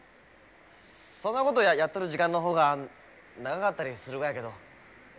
そんなことをやっとる時間の方が長かったりするがやけど。